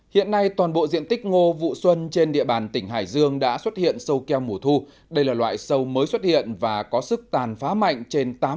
hiện nay toàn bộ diện tích ngô vụ xuân trên địa bàn tỉnh hải dương đã xuất hiện sâu keo mùa thu đây là loại sâu mới xuất hiện và có sức tàn phá mạnh trên tám mươi